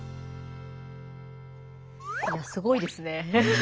いやすごいですね。